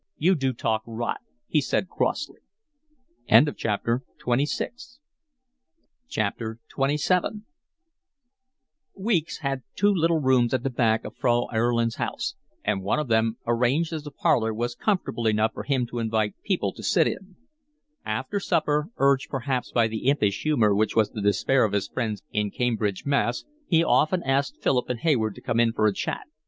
"You do talk rot," he said crossly. XXVII Weeks had two little rooms at the back of Frau Erlin's house, and one of them, arranged as a parlour, was comfortable enough for him to invite people to sit in. After supper, urged perhaps by the impish humour which was the despair of his friends in Cambridge, Mass., he often asked Philip and Hayward to come in for a chat.